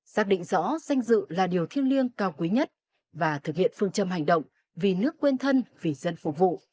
xác định rõ danh dự là điều thiêng liêng cao quý nhất và thực hiện phương châm hành động vì nước quên thân vì dân phục vụ